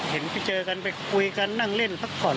เห็นไปเจอกันไปคุยกันนั่งเล่นพักผ่อน